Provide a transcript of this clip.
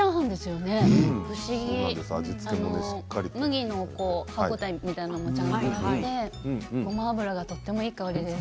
麦の歯応えみたいなのもちゃんとあってごま油がとてもいい香りです。